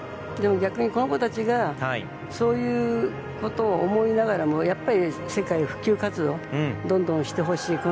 逆に、この子たちがそういうことを思いながら世界で普及活動をどんどんしてほしい。